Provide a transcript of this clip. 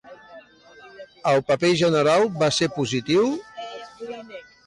El parer general va ser positiu?